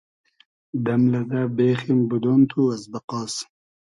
دئم لئزۂ بېخیم بودۉن تو از بئقاس